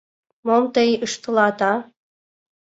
— Мом тый ыштылат, а?